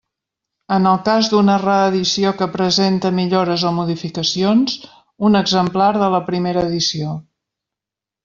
En el cas d'una reedició que presente millores o modificacions, un exemplar de la primera edició.